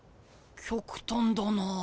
極端だな。